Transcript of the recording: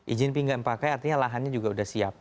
izin pinjam pakai artinya lahannya juga sudah siap